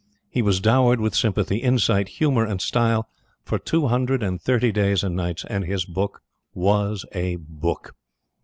He was dowered with sympathy, insight, humor and style for two hundred and thirty days and nights; and his book was a Book.